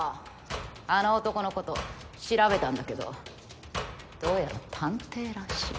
あの男のこと調べたんだけどどうやら探偵らしい。